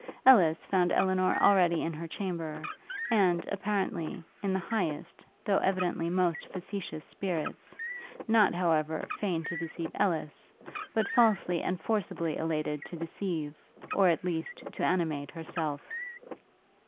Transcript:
Ellis found Elinor already in her chamber, and, apparently, in the highest, though evidently most factitious spirits: not, however, feigned to deceive Ellis, but falsely and forcibly elated to deceive, or, at least, to animate herself.